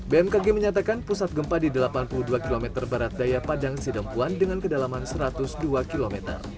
bmkg menyatakan pusat gempa di delapan puluh dua km barat daya padang sidempuan dengan kedalaman satu ratus dua km